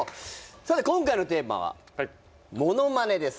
さて今回のテーマは「モノマネ」です。